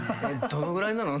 どのぐらいなの？